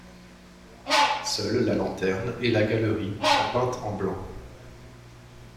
Seul la lanterne et la galerie sont peintes en blanc.